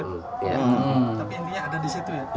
tapi dia ada di situ ya